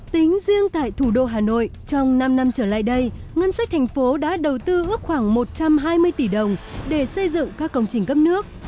tính riêng tại thủ đô hà nội trong năm năm trở lại đây ngân sách thành phố đã đầu tư ước khoảng một trăm hai mươi tỷ đồng để xây dựng các công trình cấp nước